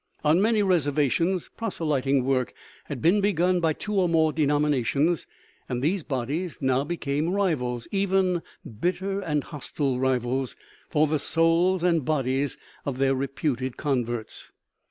On many reservations proselyting work had been begun by two or more denominations, and these bodies now became rivals, even bitter and hostile rivals, for the souls and bodies of their reputed converts.